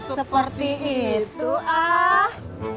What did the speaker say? seperti itu ah